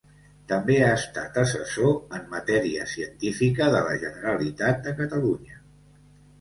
També ha estat assessor en matèria científica de la Generalitat de Catalunya.